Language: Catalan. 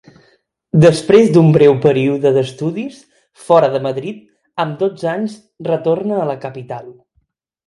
Després d'un breu període d'estudis fora de Madrid, amb dotze anys retorna a la capital.